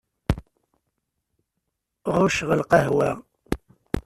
Ɣucceɣ lqahwa.